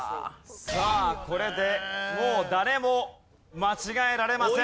さあこれでもう誰も間違えられません。